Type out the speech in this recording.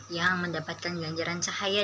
yang mendapatkan ganjaran cahaya